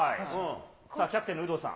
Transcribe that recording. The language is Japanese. キャプテンの有働さん。